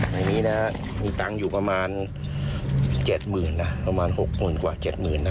ในนี้น่ะมีตังค์อยู่ประมาณเจ็ดหมื่นน่ะประมาณหกหมื่นกว่าเจ็ดหมื่นน่ะ